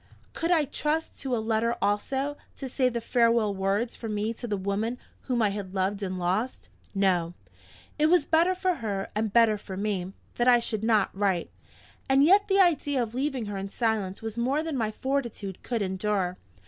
Could I trust to a letter also, to say the farewell words for me to the woman whom I had loved and lost? No! It was better for her, and better for me, that I should not write. And yet the idea of leaving her in silence was more than my fortitude could endure.